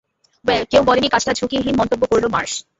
Well, কেউ বলেনি কাজটা ঝুঁকিহীন, মন্তব্য করল মার্শ।